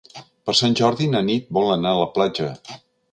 Per Sant Jordi na Nit vol anar a la platja.